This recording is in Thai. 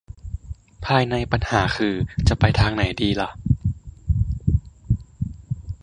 ภายในปัญหาคือจะไปทางไหนดีล่ะ